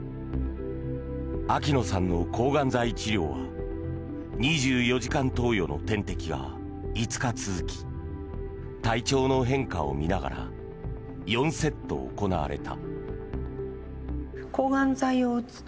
秋野さんの抗がん剤治療は２４時間投与の点滴が５日続き体調の変化を見ながら４セット行われた。